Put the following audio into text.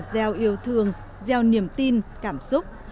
gieo yêu thương gieo niềm tin cảm xúc